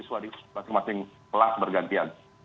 pada masing masing kelas bergantian